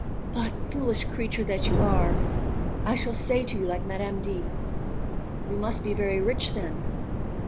"But, foolish creature that you are, I shall say to you, like Mme. D., 'You must be very rich, then!